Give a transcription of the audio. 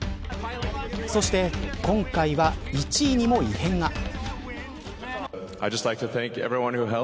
そして、今回は１位にも異変が。